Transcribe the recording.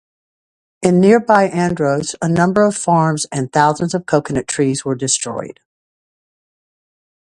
In nearby Andros, a number of farms and thousands of coconut trees were destroyed.